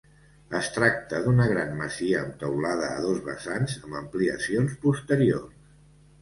Es tracta d'una gran masia amb teulada a dos vessants amb ampliacions posteriors.